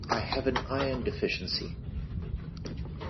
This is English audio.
I have an iron deficiency.